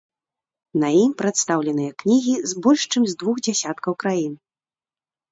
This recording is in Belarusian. На ім прадстаўленыя кнігі з больш чым з двух дзясяткаў краін.